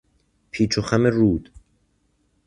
پیچ و خم رود